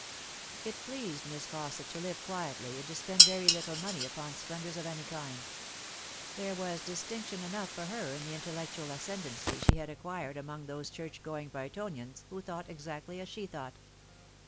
It pleased Miss Fausset to live quietly, and to spend very lihtle money upon splendours of any kind. There was distinc tion enough for her in the intellectual ascendency she had acquired among those church going Brightonians who thought exactly as she thought.